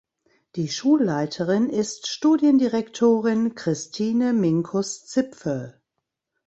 Die Schulleiterin ist Studiendirektorin Christine Minkus-Zipfel.